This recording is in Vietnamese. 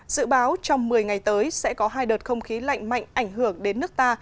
dự báo trong một mươi ngày tới sẽ có hai đợt không khí lạnh mạnh ảnh hưởng đến nước ta